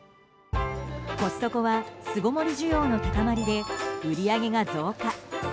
コストコは巣ごもり需要の高まりで売り上げが増加。